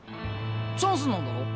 チャンスなんだろ？